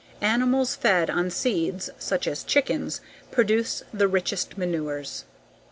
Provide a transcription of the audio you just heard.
Animals fed on seeds (such as chickens) produce the richest manures.